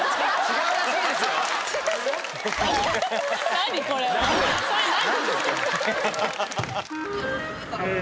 何これそれ何？